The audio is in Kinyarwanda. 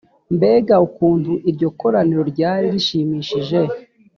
mbega ukuntu iryo koraniro ryari rishimishije